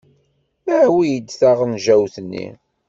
Awi-d taɣenjayt-nni.